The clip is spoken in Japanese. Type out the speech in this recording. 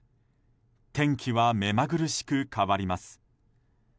天気はめまぐるしく変わります。